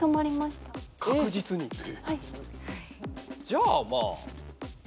じゃあまあ。